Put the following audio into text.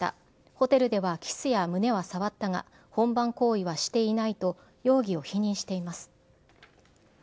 ホテルではキスや胸は触ったが、本番行為はしていないと容疑を否認しています。